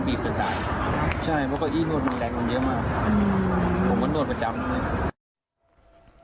ใช่เพราะว่าอี้โนดมันแรงมันเยอะมากผมว่าโนดประจำ